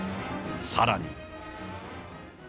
さらに。